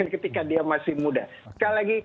ketika dia masih muda sekali lagi